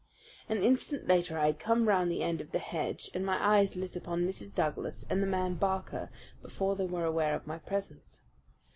An instant later I had come round the end of the hedge and my eyes lit upon Mrs. Douglas and the man Barker before they were aware of my presence.